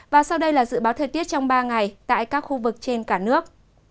và sau đây là dự báo thời tiết trong ba ngày tại các khu vực trên cả nước